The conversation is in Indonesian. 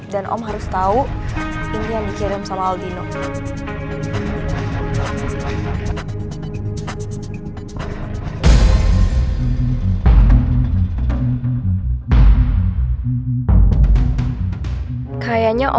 dan om harus tau ini yang dikirim sama aldino